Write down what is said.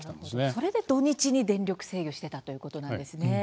それで土日に電力制御していたということなんですね。